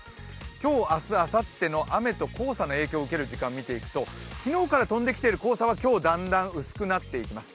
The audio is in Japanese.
今日、明日、あさっての雨と黄砂の影響を受ける時間を見ていくと昨日から飛んできている黄砂は今日、だんだん薄くなっていきます。